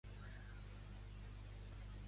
Com s'anomena al cel avui dia, en euskera?